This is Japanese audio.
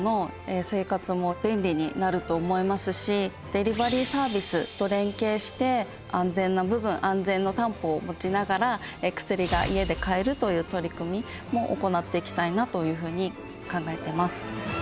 デリバリーサービスと連携して安全な部分安全の担保を持ちながら薬が家で買えるという取り組みも行っていきたいなというふうに考えてます。